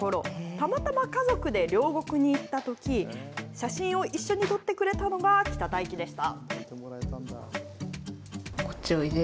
たまたま家族で両国に行ったとき、写真を一緒に撮ってくれたのが北太樹でした。